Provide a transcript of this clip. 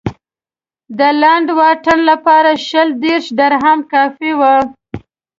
د لنډ واټن لپاره شل دېرش درهم کافي و.